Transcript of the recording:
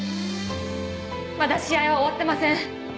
まだ試合は終わってません！